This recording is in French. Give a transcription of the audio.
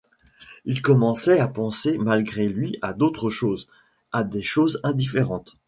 Il commençait à penser malgré lui à d’autres choses, à des choses indifférentes.